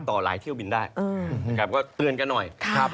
ต่อรายเที่ยวบินได้ก็เตือนกันหน่อย